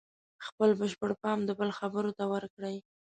خپل بشپړ پام د بل خبرو ته ورکړئ.